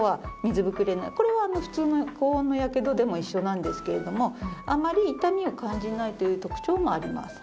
これは普通の高温のやけどでも一緒なんですけれどもあまり痛みを感じないという特徴もあります。